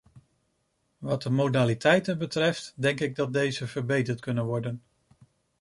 Wat de modaliteiten betreft, denk ik dat deze verbeterd kunnen worden.